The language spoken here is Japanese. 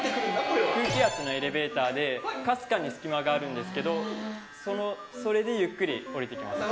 これは空気圧のエレベーターでかすかにスキマがあるんですけどそれでゆっくり降りてきます